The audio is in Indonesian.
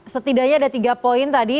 setidaknya ada tiga poin tadi